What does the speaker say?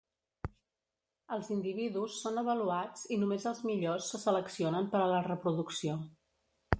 Els individus són avaluats i només els millors se seleccionen per a la reproducció.